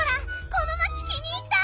この町気に入った！